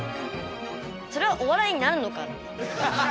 それはお笑いになるのか。